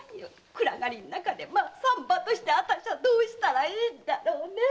暗がりの中で産婆としてはどうしたらいいんだろうねえ！